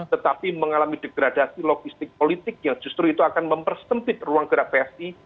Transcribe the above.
tetapi mengalami degradasi logistik politik yang justru itu akan mempersempit ruang gerak psi